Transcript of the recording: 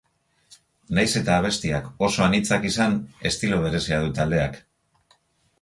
Nahiz eta abestiak oso anitzak izan, estilo berezia du taldeak.